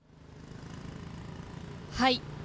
はい。